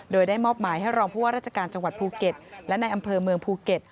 โดยได้มอบหมายให้รองผู้ว่าราชการจังหวัดภูเก็ตและในอำเภอเมืองภูเก็ต